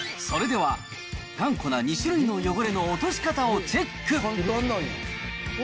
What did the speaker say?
それでは、頑固な２種類の汚れの落とし方をチェック。